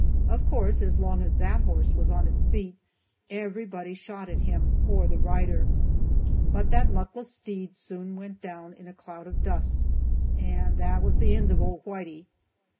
Of course, as long as that horse was on its feet, everybody shot at him, or the rider. But that luckless steed soon went down in a cloud of dust, and that was the end of old Whitey.